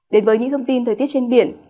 đến với những thông tin thời tiết trên biển